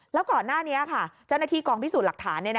แล้วก่อนหน้านี้ค่ะเจ้าหน้าที่กองพิสูจน์หลักฐาน